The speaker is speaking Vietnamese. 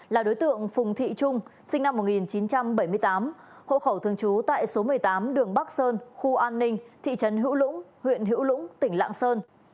là đối tượng phùng thị trung sinh năm một nghìn chín trăm bảy mươi tám hộ khẩu thường trú tại số một mươi tám đường bắc sơn khu an ninh thị trấn hữu lũng huyện hữu lũng tỉnh lạng sơn